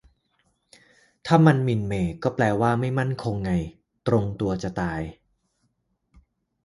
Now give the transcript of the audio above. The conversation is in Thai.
ถ้ามัน หมิ่นเหม่ ก็แปลว่า ไม่มั่นคง ไง ตรงตัวจะตาย